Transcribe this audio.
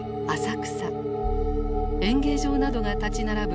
演芸場などが立ち並ぶ